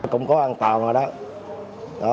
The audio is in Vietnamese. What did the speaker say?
cũng có an toàn rồi đó